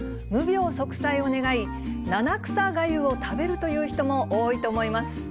無病息災を願い、七草がゆを食べるという人も多いと思います。